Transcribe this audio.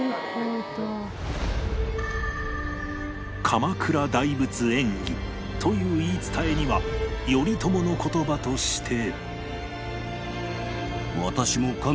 『鎌倉大仏縁起』という言い伝えには頼朝の言葉として